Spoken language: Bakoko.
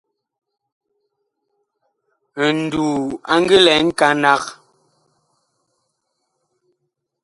Nduu a ngi lɛ nkanag.